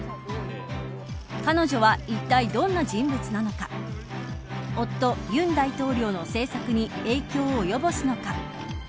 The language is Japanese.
彼女はいったいどんな人物なのか夫、尹大統領の政策に影響を及ぼすのか。